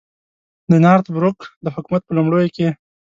د نارت بروک د حکومت په لومړیو کې.